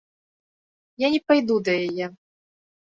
Я не пайду да яе.